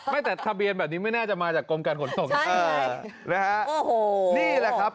ไม่แต่ทะเบียนแบบนี้ไม่น่าจะมาจากกรมการขนส่งเออนะฮะโอ้โหนี่แหละครับ